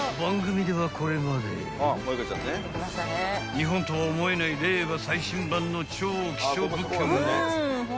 ［日本とは思えない令和最新版の超希少物件を］